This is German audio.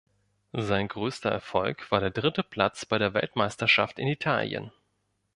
Sein größter Erfolg war der dritte Platz bei der Weltmeisterschaft in Italien.